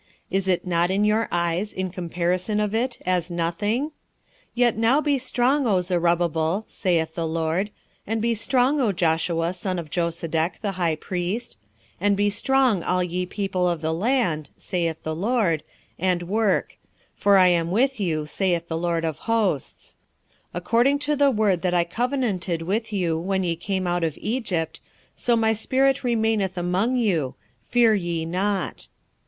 is it not in your eyes in comparison of it as nothing? 2:4 Yet now be strong, O Zerubbabel, saith the LORD; and be strong, O Joshua, son of Josedech, the high priest; and be strong, all ye people of the land, saith the LORD, and work: for I am with you, saith the LORD of hosts: 2:5 According to the word that I covenanted with you when ye came out of Egypt, so my spirit remaineth among you: fear ye not.